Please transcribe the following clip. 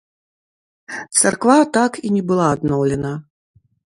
Царква так і не была адноўлена.